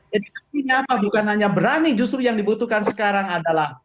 jadi artinya apa bukan hanya berani justru yang dibutuhkan sekarang adalah